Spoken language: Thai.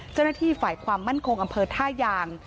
เจ้าหน้าที่ฝ่ายความมั่นคงอำเภอท่ายาง